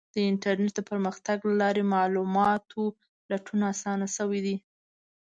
د انټرنیټ د پرمختګ له لارې د معلوماتو لټون اسانه شوی دی.